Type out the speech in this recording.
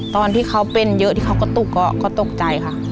ตอนที่เขาเป็นเยอะที่เขาก็ตกก็ตกใจค่ะ